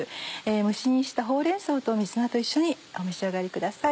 蒸し煮したほうれん草と水菜と一緒にお召し上がりください。